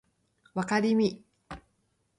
わかりみ